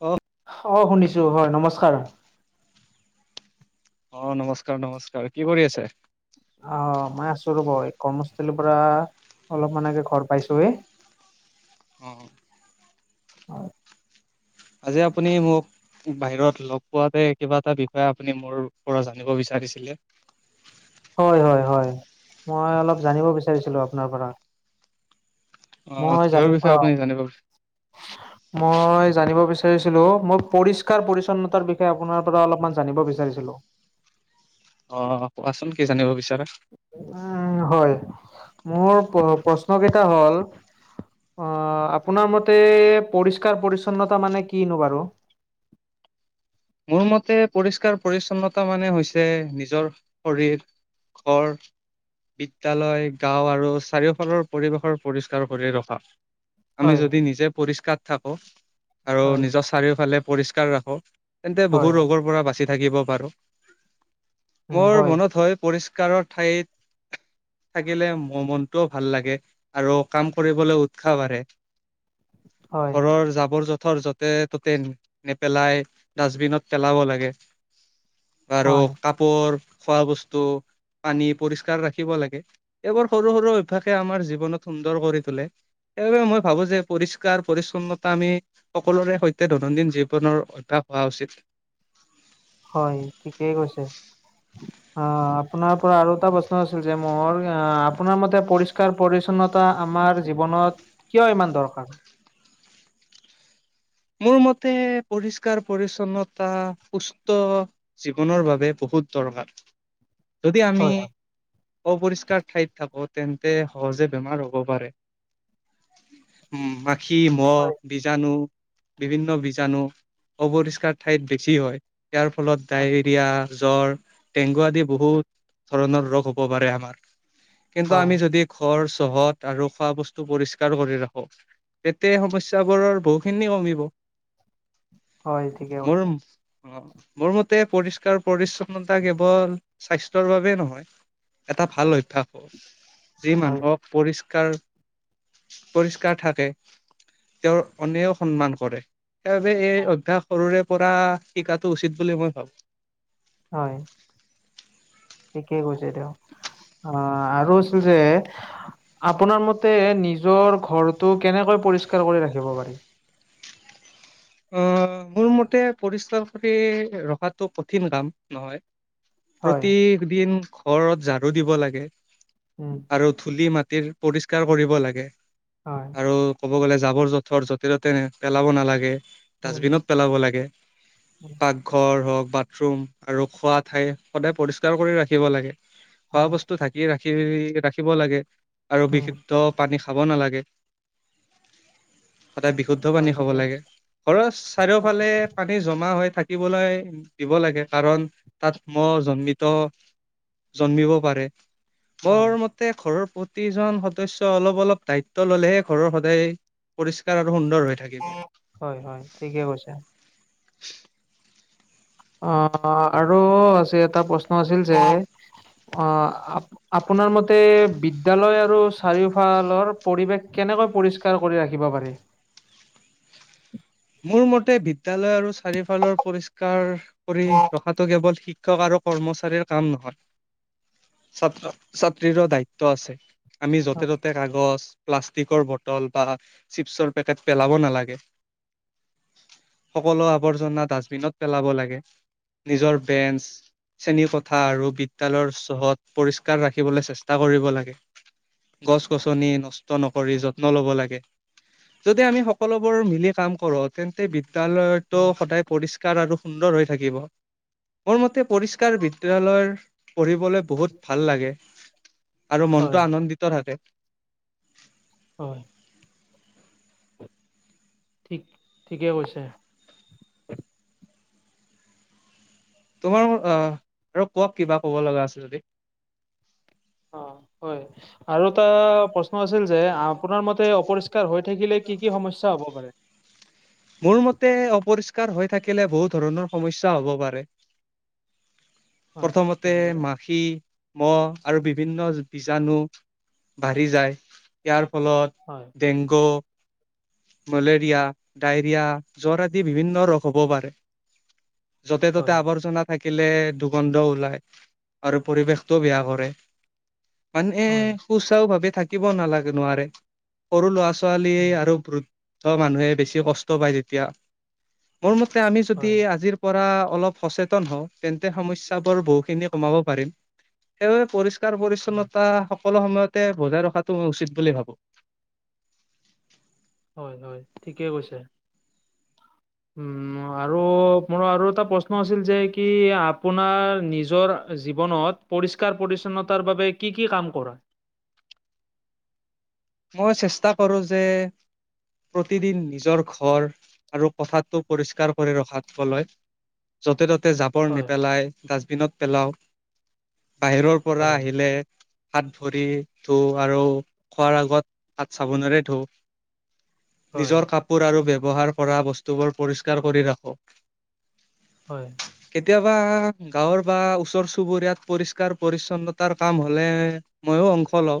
অ' অ' শুনিছোঁ, হয় নমস্কাৰ। অ' নমস্কাৰ নমস্কাৰ। কি কৰি আছে? অ' মই আছোঁ ৰ'ব, এই কৰ্মস্থলীৰ পৰা অলপ মান আগে ঘৰ পাইছোঁহে। অ'। আজি আপুনি মোক বাহিৰত লগ পোৱাতে কিবা এটা বিষয় আপুনি মোৰ পৰা জানিব বিচাৰিছিলে। হয় হয় হয়, মই অলপ জানিব বিচাৰিছিলোঁ আপোনাৰ পৰা। অ' মই জানি কিহৰ অ বিষয়ে আপুনি জানিব মই জানিব বিচাৰিছিলোঁ, মই পৰিষ্কাৰ পৰিচ্ছন্নতাৰ বিষয়ে আপোনাৰ পৰা অলপমান জানিব বিচাৰিছিলোঁ। অ' কোৱাচোন কি জানিব বিচাৰা? উ, হয়, মোৰ প্ৰশ্নকেইটা হ'ল অ' আপোনাৰ মতে পৰিষ্কাৰ পৰিচ্ছন্নতা মানে কিনো বাৰু? মোৰ মতে পৰিষ্কাৰ পৰিচ্ছন্নতা মানে হৈছে নিজৰ শৰীৰ ঘৰ। বিদ্যালয়, গাঁও আৰু চাৰিওফালৰ পৰিৱেশৰ পৰিষ্কাৰ কৰি ৰখা। আমি হয় যদি নিজে পৰিষ্কাৰ থাকোঁ আৰু হয় নিজৰ চাৰিওফালে পৰিষ্কাৰ ৰাখো তেন্তে হয় বহু হয় ৰোগৰ পৰা বাচি থাকিব পাৰোঁ। মোৰ মনত হয় পৰিষ্কাৰক ঠাইত থাকিলে মোৰ মনটোও ভাল লাগে আৰু কাম কৰিবলৈ উৎসাহ বাঢ়ে। হয় ঘৰৰ জাবৰ জোথৰ য'তে ত'তে নেপেলাই ডাষ্টবিনত পেলাব লাগে আৰু হয় কাপোৰ, খোৱা বস্তু পানী পৰিষ্কাৰ ৰাখিব লাগে। এইবোৰ সৰু সৰু অভ্যাসে আমাৰ জীৱনত সুন্দৰ কৰি তোলে। সেইবাবে মই ভাবোঁ যে পৰিষ্কাৰ পৰিচছন্নতা আমি সকলোৰে সৈতে দৈনন্দিন জীৱনৰ অভ্যাস হোৱা উচিত। হয়, ঠিকেই কৈছে। [inaudible] অ' আপোনাৰ পৰা আৰু এটা প্ৰশ্ন আছিল যে মোৰ আ, আপোনাৰ মতে পৰিষ্কাৰ পৰিচ্ছন্নতা আমাৰ জীৱনত কিয় ইমান দৰকাৰ? মোৰ মতে পৰিষ্কাৰ পৰিচ্ছন্নতা সুস্থ জীৱনৰ বাবে বহুত দৰকাৰ। যদি আমি হয় অপৰিষ্কাৰ ঠাইত থাকো, তেন্তে সহজে বেমাৰ হ'ব পাৰে। উম, মাখি, মহ, হয় বীজাণু বিভিন্ন বীজাণু অপৰিষ্কাৰ ঠাইত বেছি হয়। ইয়াৰ ফলত হয় ডায়েৰিয়া জ্বৰ, ডেংগু আদি বহুত ধৰণৰ ৰোগ হ'ব পাৰে আমাৰ। কিন্তু হয় আমি যদি ঘৰ চৌহত আৰু খোৱা বস্তু পৰিষ্কাৰ কৰি ৰাখো তেতিয়া সমস্যা বোৰ বহু খিনি কমিব। হয় ঠিকে মোৰ কৈছে অ মোৰ মতে পৰিষ্কাৰ পৰিচ্ছ- ন্নতা কেৱল স্বাস্থ্যৰ বাবে নহয়, এটা ভাল অভ্যাস হ'ব। যি হয় মানুহক পৰিষ্কাৰ পৰিষ্কাৰ থাকে তেওঁৰ অনেও সন্মান কৰে। সেইবাবে এই অভ্যাস সৰুৰে পৰা শিকাটো উচিত বুলি মই ভাবো। হয় থিকেই কৈছে তেওঁ। আ আৰু আছু যে আপোনাৰ মতে নিজৰ ঘৰটো কেনেকৈ পৰিষ্কাৰ কৰি ৰাখিব পাৰি? অ মোৰ মতে পৰিষ্কাৰ কৰি ৰখাটো কঠিন কাম নহয়। হয় প্ৰতিদিন ঘৰত ঝাৰু দিব লাগে। উম আৰু ধূলি মাটিৰ পৰিষ্কাৰ কৰিব লাগে। হয় আৰু ক'ব গ'লে জাবৰ জোথৰ যতি ততে পেলাব নালাগে। উম ডাষ্টবিনত পেলাব লাগে। উম পাকঘৰ হওক বা ৰুম আৰু খোৱা ঠাই সদায় পৰিস্কাৰ কৰি ৰাখিব লাগে। খোৱা হয় বস্তু ঢাকি ৰাখি ৰাখিব লাগে আৰু উম বিশুদ্ধ পানী খাব নালাগে। সদায় বিশুদ্ধ হয় পানী খাব ঠিকে লাগে। কৈছে ঘৰৰ চাৰিওফালে পানী জমা হৈ থাকিবলৈ দিব লাগে কাৰণ তাত মহ জন্মিত জন্মিব পাৰে হয় বৰ তে ঘৰৰ প্ৰতিজন সদস্য অলপ অলপ দায়িত্ব ললেহে ঘৰৰ সদায় পৰিষ্কাৰ আৰু সুন্দৰ হৈ থাকিব। হয় হয় ঠিকে কৈছা। অ আৰু আ এটা প্ৰশ্ন আছিল যে অ আপোনাৰ মতে বিদ্যালয় আৰু চাৰিওফালৰ পৰিৱেশ কেনেকৈ পৰিষ্কাৰ কৰি ৰাখিব পাৰি? মোৰ মতে বিদ্যালয় আৰু চাৰিফালৰ পৰিষ্কাৰ কৰি ৰখাটো কেৱল শিক্ষক আৰু কৰ্মচাৰীৰ কাম নহয়। ছাত্ৰ ছাত্ৰীৰো দায়িত্ব আছে। আমি য'তে ত'তে কাগজ, প্লাষ্টিকৰ বটল বা চিপছৰ পেকেট পেলাব নালাগে। সকলো আৱৰ্জনা ডাষ্টবিনত পেলাব লাগে। নিজৰ বেঞ্চ শ্ৰেণীকোঠা আৰু বিদ্যালয়ৰ চৌহদ পৰিষ্কাৰ ৰাখিবলৈ চেষ্টা কৰিব লাগে। গছ গছনি নষ্ট নকৰি যত্ন ল'ব লাগে। যদি আমি সকলোবোৰ মিলি কাম কৰো তেন্তে বিদালয়তটো সদায় পৰিষ্কাৰ আৰু সুন্দৰ হৈ থাকিব। মোৰ মতে পৰিষ্কাৰ বিদ্যালয় পঢ়িবলৈ বহুত ভাল লাগে আৰু হয়, মনতটো আনন্দিত থাকে। হয় ঠিক ঠিকে কৈছে। তোমাৰ অ আৰু কওক কিবা কব লগা আছে যদি। অ হয় আৰু এটা প্ৰশ্ন আছিল যে আপোনাৰ মতে অপ। কাৰ হৈ থাকিলে কি কি সমস্যা হ'ব পাৰে। মোৰ মতে অপৰিষ্কাৰ হৈ থাকিলে বহুত ধৰণৰ সমস্যা হ'ব পাৰে। হয়, প্ৰথমতে কেনেদৰে? মা। পানী মহ আৰু বিভিন্ন বীজাণু। বাঢ়ি যায় ইয়াৰ ফলত। হয়। Tank malaria. ডাৰিয়া জ্বৰ আদি বিভিন্ন ৰোগ হ'ব পাৰে য'তে ত'তে হয়, আৱৰ্জনাত। থাকিলে দুগন্ধ ওলাই আৰু পৰিৱেশটো বেয়া কৰে। মানে হয়, সুচাৰু ভাৱে থাকিব নালাগে নোৱাৰে সৰু লৰা ছ। ছোৱালী উম, আৰু বৃদ্ধ মানুহে বেছি কষ্ট পায় তেতিয়া। মোৰ মতে আমি যদি হয়, আজিৰ। পৰা অলপ সচেতন হওঁ তেন্তে সমস্যা বোৰ বহু খিনি কমাব পাৰিম সেইবাবে পৰিষ। কাৰ পৰিচ্ছন্নতা সকলো সময়তে হুজাই ৰখাটো মই উচিত বুলি ভাবো। হয় হয় ঠিকে কৈছে। উম ম। আৰু মোৰ আৰু এটা প্ৰশ্ন আছিল যে কি আপোনাৰ নিজৰ জীৱনত। পৰিষ্কাৰ পৰি্ছন্নতাৰ বাবে কি কি কাম কৰা। মই চেষ্টা কৰো যে। প্ৰতিদিন নিজৰ ঘৰ আৰু পথাৰটো পৰিষ্কাৰ কৰি ৰখাত ফলৈয়। য'তে ত'তে জাবৰ হয়। নেপেলাই ডাষ্টবিনত পেলাও বাহিৰৰ। পৰা হয়, আহিলে হাত ভৰি ধুই আৰু খোৱাৰ আ। গত হাত চাবোনেৰে ধো হয়, নিজৰ কাপ। পোৰ আৰু ব্যৱহাৰ কৰা বস্তুবোৰ পৰিষ্কাৰ কৰি ৰাখক। হয়। কেতিয়াবা গাঁৱৰ বা ওচৰ চুবুৰীয়াত পৰিষ্কাৰ পৰিচ্ছন্নতাৰ কাম হলে। ময়ো অংশ লওঁ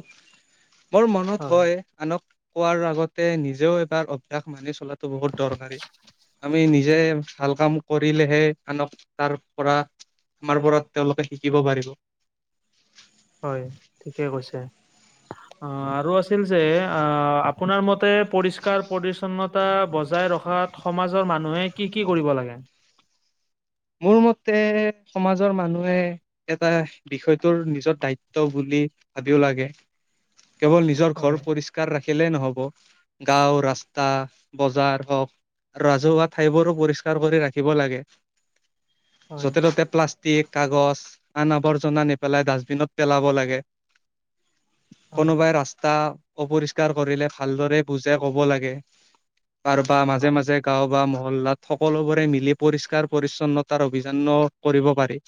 মোৰ মন। হয় আনক কোৱাৰ আগতে নিজেও এবাৰ অভ্যাস মানি চলা। তো বহুত দৰকাৰী আমি নিজে হয়, ভাল কাম ক। ৰিলেহে আনক তাৰ পৰা আমাৰ পৰা তেওঁলোকে শিকিব পাৰিব। হয় ঠিকে কৈছে আৰু আছিল যে আ। আপোনাৰ মতে পৰিষ্কাৰ পৰিচ। ছন্নতা বজাই ৰখাত সমাজৰ মানুহে কি কি কৰিব লাগে। মোৰ মতে সমাজৰ মানুহে। এটা বিষয়টোৰ নিজৰ দ্বায়িত্ব বুলি ভাবিও লাগে কেৱল নিজ। জৰ হয়, ঘৰ পৰিষ্কাৰ ৰাখিলে নহব গাঁও ৰাস্তা বজাৰ হওক। আৰু ৰাজহুৱা ঠাইবোৰো পৰিষ্কাৰ কৰি ৰাখিব লাগে। হয়, য'তে ত'তে প্লাষ্টিক কাগজ আন আৱৰ্জনা নেপেলাই ডাষ্টবিনত পেলাব লাগে। হয়, কোনোবাই ৰাস্তা। অপৰিষ্কাৰ কৰিলে ভালদৰে বুজাই কব লাগে কাৰোবা মাজে হয়, মাজে। গাঁও বা মহল্লাত সকলোবোৰে মিলি পৰিষ্কাৰ। পৰিচ্ছন্নতাৰ অভিযান কৰিব পাৰি।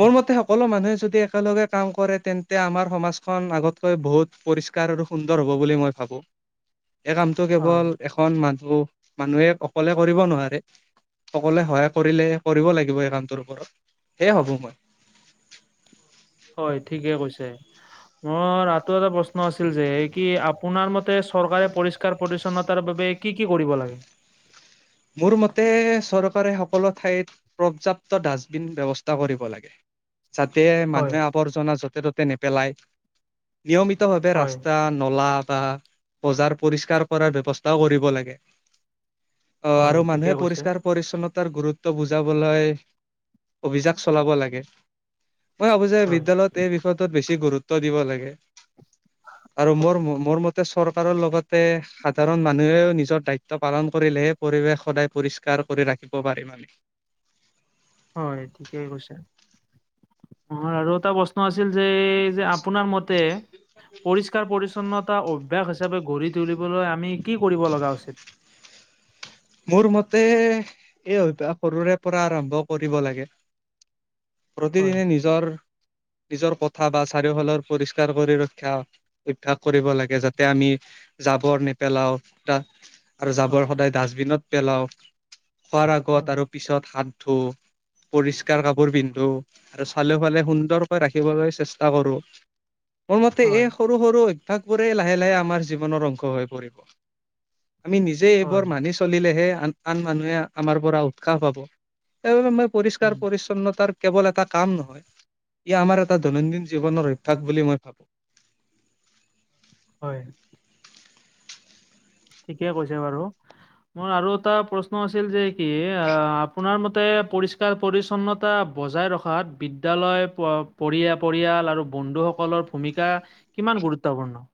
মোৰ হয়, মতে সকলো মানুহে যদি একেলগে- কাম কৰে, তেন্তে আমাৰ সমাজখন আগতকৈ বহুত পৰিষ্কাৰ আৰু সুন্দৰ হ'ব বুলি মই ভাবোঁ। এই কামটো হয়, কেৱল এখন মানুহ মানুহে অকলে কৰিব নোৱাৰে। সকলোৱে সহায় কৰিলে কৰিব লাগিব এই কামটোৰ ওপৰত সেয়ে ভাবো মই। হয়, ঠিকে কৈছে। অঁ তাতো এটা প্ৰশ্ন আছিল যে কি আপোনাৰ মতে চৰকাৰে পৰিষ্কাৰ পৰি্ছন্নতাৰ বাবে- কি কি কৰিব লাগে। মোৰ মতে চৰকাৰে সকলো ঠাইত- পৰ্যাপ্ত ডাষ্টবিন ব্যৱস্থা কৰিব লাগে। যাতে হয়, মানুহে আৱৰ্জনা য'তে ত'তে নেপেলায়। নিয়মিত ভাৱে হয়, ৰাস্তা নলা বা বজাৰ পৰিষ্কাৰ কৰাৰ ব্যৱস্থাও কৰিব লাগে। অ হয়, আৰু মানুহে ঠিকে কৈছে। পৰিষ্কাৰ- পৰিচ্ছন্নতাৰ গুৰুত্ব বুজাবলৈ অভিযান চলাব লাগে। মই ভাবো যে, হয়, বিদ্যালয়ত এই বিষয়টোত বেছি গুৰুত্ব দিব লাগে। আৰু মোৰ হয়, মোৰ মতে চৰকাৰৰ লগতে সাধাৰণ মানুহেও নিজৰ দায়িত্ব পালন কৰিলেহে- পৰিৱেশ সদায় পৰিষ্কাৰ কৰি ৰাখিব পাৰিম আমি। অঁ সে ঠিকেই কৈছে, নহয় আৰু এটা প্ৰশ্ন আছিল যে, যে আপ- আপোনাৰ মতে পৰিষ্কাৰ পৰিছন্নত- টা অভ্যাস হিচাপে গঢ়ি তুলিবলৈ আমি কি কৰিব লগা উচিত? মোৰ মতে, এই অভ্যাস সৰুৰে পৰা আৰম্ভ কৰিব লাগে। হয় প্ৰতিদিনে নিজৰ- নিজৰ কথা বা চাৰিওফালৰ পৰিষ্কাৰ কৰি ৰক্ষ্যা অভ্যাস কৰিব লাগে যাতে আমি- জাবৰ নেপেলাও ডাত- আৰু জাবৰ সদায় ডাষ্টবিনত পেলাও খোৱাৰ আগত আৰু পিছত হাত ধুওঁ। পৰিষ্কাৰ কাপোৰ পিন্ধো, আৰু চাৰিও ফালে সুন্দৰকৈ ৰাখিবলৈ চেষ্টা কৰো। মোৰ মতে এ হয় সৰু- সৰু সৰু অভ্যাস বোৰে লাহে লাহে আমাৰ জীৱনৰ অংশ হৈ পৰিব। আমি নিজে- যে এইবোৰ হয় মানি চলিলেহে আন আন মানুহে আমাৰ পৰা উৎসাহ পাব। এই বাবে মই পৰিষ্কাৰ উম পৰিচন্নতাৰ- কেৱল এটা কাম নহয়, ই আমাৰ এটা দৈনন্দিন জীৱনৰ অভ্যাস বুলি মই ভাবো। হয়। ঠিকে কৈছে বাৰু। মোৰ আৰু এটা প্ৰশ্ন আছিল যে কি এ আ আপোনাৰ মতে পৰিষ্কাৰ পৰিছন্নত- তা বজাই ৰখাত বিদ্যালয় পৰিয়া পৰিয়াল আৰু বন্ধুসকলৰ ভূমিকা- কিমান গুৰুত্বপূৰ্ণ?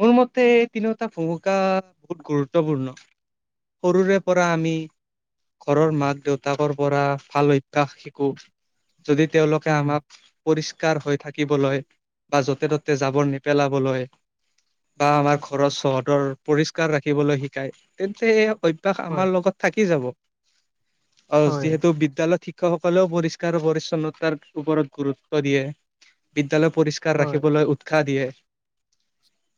মোৰ মতে এই তিনিওটা ভূমিকা বহুত গুৰুত্বপূৰ্ণ। সৰুৰে পৰা আমি- ঘৰৰ মাক দেউতাকৰ পৰা ভাল অভ্যাস শিকো, যদি তেওঁলোকে উম আমাক- পৰিষ্কাৰ হৈ থাকিবলৈ বা য'তে ত'তে জাবৰ নেপেলাবলৈ- বা আমাৰ ঘৰৰ চৌহদৰ পৰিস্কাৰ ৰাখিবলৈ শিকাই তেন্তে, এই অভ্যাস হয় আমাৰ লগত- থাকি যাব, আৰু হয় যিহেতু বিদ্যালয়ত শিক- শিক্ষকসকলেও পৰিষ্কাৰ পৰিচ্ছন্নতাৰ ওপৰত গুৰুত্ব দিয়ে, বিদ্যালয় পৰিষ্কা- স্কাৰ হয় ৰাখিবলৈ উৎসাহ দিয়ে।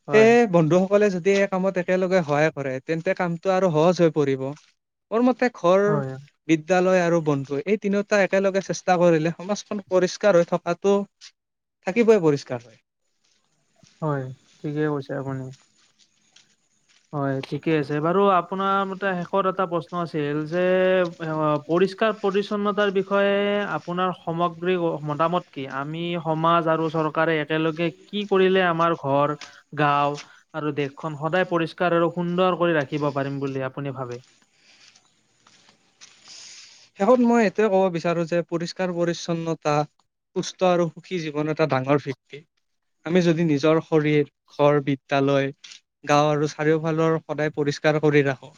হয় সেইয়ে বন্ধুসকলে যদি এই কামত একেলগে সহায় কৰে তেন্তে, কামটো আৰু সহজ হৈ পৰিব। মোৰ মতে ঘৰ- হয় বিদ্যালয় আৰু বন্ধু এই তিনিওটা একেলগে চেষ্টা কৰিলে সমাজখন পৰিষ্কাৰ হৈ থকাটো- থাকিবই পৰিষ্কাৰ। হয়, ঠিকেই কৈছে আপুনি। হয়, ঠিকে আছে বাৰু। আপোনাৰ মতে শেষত এটা প্ৰশ্ন আছিল যে- পৰিষ্কাৰ-পৰিচ্ছন্নতাৰ বিষয়ে আপোনাৰ সামগ্ৰী মতামত- কি আমি সমাজ আৰু চৰকাৰে একেলগে কি কৰিলে আমাৰ ঘৰ গাওঁ আৰু দেশখন সদায় পৰিষ্কাৰ আৰু সুন্দৰ কৰি ৰাখিব পাৰিম বুলি আপুনি ভাবে? শেষত মই এইটোৱে ক'ব বিচাৰো যে পৰিষ্কাৰ-পৰিছন্নতা- সুস্থ আৰু সুখী জীৱন এটা ডাঙৰ ভিত্তি। আমি যদি নিজৰ শৰীৰ ঘৰ, বিদ্যালয়- গাঁও আৰু চাৰিওফালৰ সদায় পৰিষ্কাৰ কৰি ৰাখো,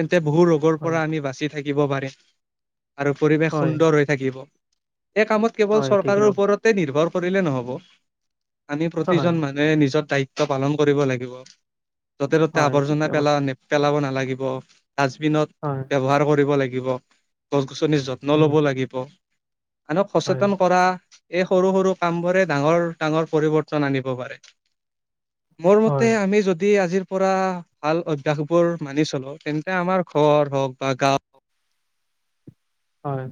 তেন্তে বহু ৰো- গুৰ হয় পৰা আমি বাচি থাকিব পাৰিম। আৰু পৰিৱেশ হয় সুন্দৰ হৈ থাকিব, এই কামত কেৱল হয় ঠিকে চৰকাৰৰ ওপৰত তে নিৰ্ভৰ কৰিলে নহ'ব, আমি হয় প্ৰতিজন মানু- হে নিজৰ-নিজৰ দায়িত্ব পালন কৰিব লাগিব। য'তে-ত'তে হয় ঠিকে আৱৰ্জনা কৈছে - পেলাব নালাগিব। ডাষ্টবিনত- হয়। ব্যৱহাৰ কৰিব লাগিব, গছ-গছনিত যত্ন উম ল'ব লাগিব। আনক হয় সচেতন কৰা এই সৰু-সৰু কামবোৰে ডাঙৰ-ডাঙৰ পৰিৱৰ্তন আনিব পাৰে। মোৰ মতে হয় আমি যদি আজিৰ- পৰা ভাল অভ্যাসবোৰ মানি চলো, তেন্তে আমাৰ ঘৰ হওঁক বা গাঁও হয়।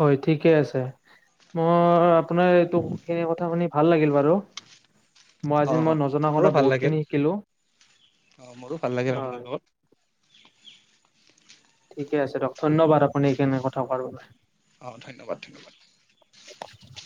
হয়, ঠিকে আছে। মই আপোনাৰ এইটো এইখিনি কথা শুনি ভাল লাগিল বাৰু। মই অ আজি মই নজনা মোৰো কথা ভাল বহুত লাগিল খিনি শিকিলো। অ' মোৰো ভাল লাগিল আপোনাৰ লগত। ঠিকে আছে দিয়ক, ধন্যবাদ আপুনি এইখিনি কথা কোৱাৰ বাবে। অহ', ধন্যবাদ-ধন্যবাদ। [unintelligible]